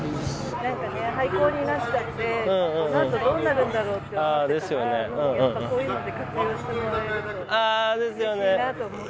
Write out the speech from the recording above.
なんかね廃校になっちゃってこのあとどうなるんだろうって思っていたからやっぱりこういうので活用してもらえるとうれしいなと思って。